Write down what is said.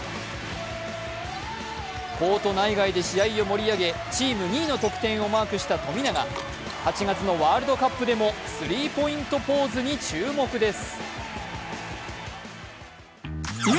コート内外で試合を盛り上げチーム２位の得点をマークした富永８月のワールドカップでもスリーポイントポーズに注目です。